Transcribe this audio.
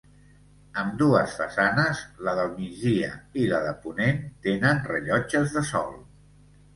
Ambdues façanes, la del migdia i la de ponent tenen rellotges de sol.